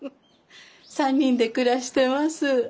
三人で暮らしてます。